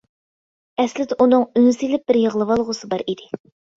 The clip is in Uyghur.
ئەسلىدە ئۇنىڭ ئۈن سېلىپ بىر يىغلىۋالغۇسى بار ئىدى.